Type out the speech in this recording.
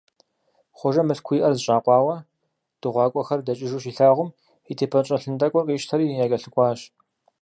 Хъуэжэ мылъкуу иӀэр зэщӀакъуауэ, дыгъуакӀуэхэр дэкӀыжу щилъагъум, и тепӀэнщӀэлъын тӀэкӀур къищтэри якӀэлъыкӀуащ.